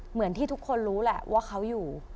เหมือนที่ทุกคนรู้แหละว่าเขาอยู่